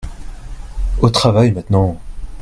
Au travail maintenant !